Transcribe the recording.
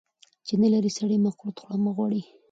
چی نلرې سړي ، مه کورت خوره مه غوړي .